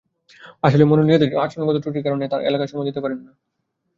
আসলে মাননীয়দের আচরণগত ত্রুটির কারণে তাঁরা এলাকায় সময় দিতে পারেন না।